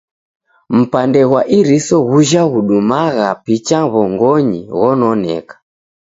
Mpande ghwa iriso ghuja ghudumagha picha w'ongonyi ghononeka.